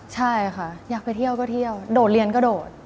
ใช่ค่ะอยากไปเที่ยวก็เที่ยวโดดเรียนก็โดด